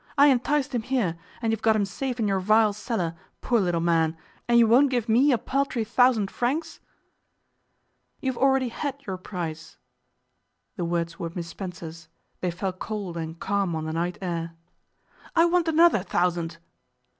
I enticed him here, and you've got him safe in your vile cellar, poor little man, and you won't give me a paltry thousand francs.' 'You have already had your price.' The words were Miss Spencer's. They fell cold and calm on the night air. 'I want another thousand.